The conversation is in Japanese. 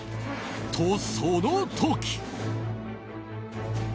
と、その時。